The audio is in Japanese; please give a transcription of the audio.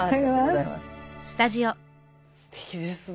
すてきですね。